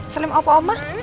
salim apa omah